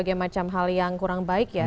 dan macam hal yang kurang baik ya